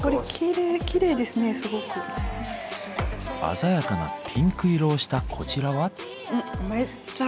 鮮やかなピンク色をしたこちらは？